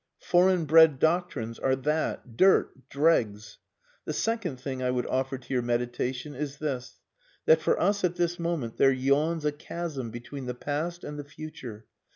Foreign bred doctrines are that. Dirt! Dregs! The second thing I would offer to your meditation is this: that for us at this moment there yawns a chasm between the past and the future.